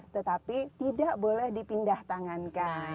tetapi tidak boleh dipindah tangankan